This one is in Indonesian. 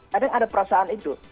kadang ada perasaan itu